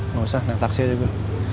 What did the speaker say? gausah naik taksi aja gua